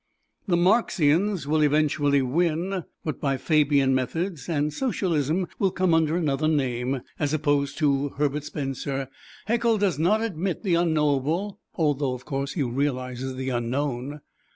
The Marxians will eventually win, but by Fabian methods, and Socialism will come under another name. As opposed to Herbert Spencer, Haeckel does not admit the Unknowable, although, of course, he realizes the unknown.